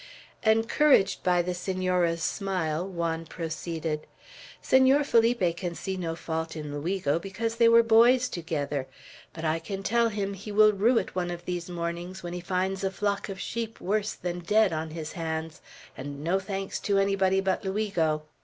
Encouraged by the Senora's smile, Juan proceeded: "Senor Felipe can see no fault in Luigo, because they were boys together; but I can tell him, he will rue it, one of these mornings, when he finds a flock of sheep worse than dead on his hands, and no thanks to anybody but Luigo.